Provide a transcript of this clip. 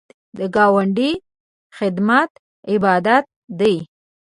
د ګاونډي خدمت عبادت دی